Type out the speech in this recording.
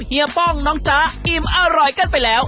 เฮีป้องน้องจ๊ะอิ่มอร่อยกันไปแล้ว